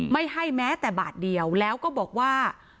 ไม่ให้แม้แต่บาทเดียวแล้วก็บอกว่า